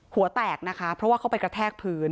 หัวแตกนะคะเพราะว่าเขาไปกระแทกพื้น